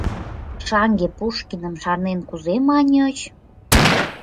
Шаҥге, Пушкиным шарнен, кузе маньыч?